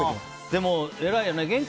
でもえらいよね。